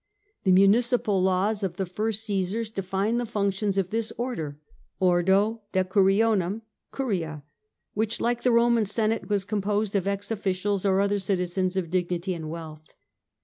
The municipal laws of the first Caesars defined the functions of this order (ordo decurionum, curia), which like the Roman Senate was composed of ex officials, or other citizens of dignity and wealth.